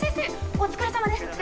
お疲れさまです。